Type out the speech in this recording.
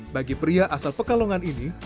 bagi pria asal pekalongan ini